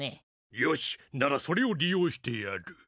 よしならそれをりようしてやる。